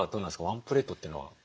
ワンプレートというのは？